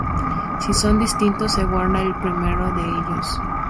Si son distintos, se guarda el primero de ellos.